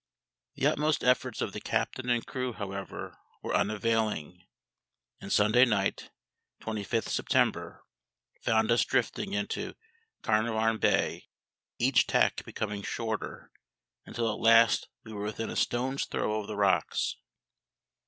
The utmost efforts of the captain and crew, however, were unavailing; and Sunday night, 25th September, found us drifting into Carnarvon Bay, each tack becoming shorter, until at last we were within a stone's throw of the rocks.